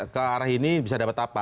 ke arah ini bisa dapat apa